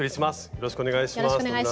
よろしくお願いします。